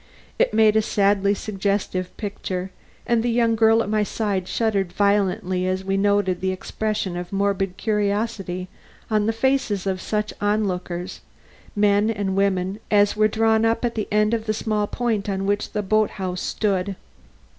It made a sadly suggestive picture, and the young girl at my side shuddered violently as we noted the expression of morbid curiosity on the faces of such onlookers, men and women, as were drawn up at the end of the small point on which the boat house stood.